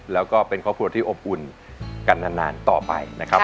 แล้วก็เป็นครอบครัวที่อบอุ่นกันนานต่อไปนะครับ